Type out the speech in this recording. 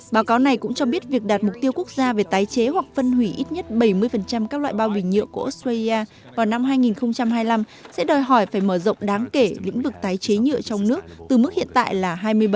báo cáo này cũng cho biết việc đạt mục tiêu quốc gia về tái chế hoặc phân hủy ít nhất bảy mươi các loại bao bình nhựa của australia vào năm hai nghìn hai mươi năm sẽ đòi hỏi phải mở rộng đáng kể lĩnh vực tái chế nhựa trong nước từ mức hiện tại là hai mươi bảy